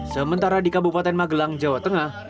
sementara di kabupaten magelang jawa tengah